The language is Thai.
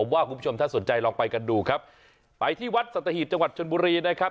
ว่าคุณผู้ชมถ้าสนใจลองไปกันดูครับไปที่วัดสัตหีบจังหวัดชนบุรีนะครับ